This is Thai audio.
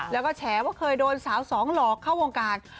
แล้วก็แฉว่าเคยโดนสาวสองหลอกเข้าวงการ